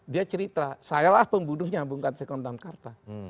dia cerita saya lah pembunuhnya bukan sengkontar kata